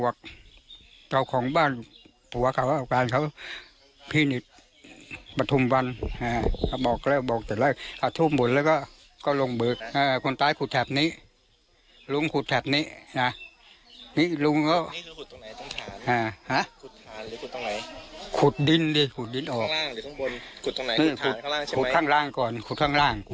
ข้างล่างเอากลังกี่ข้างล่างใครมันทำฐาน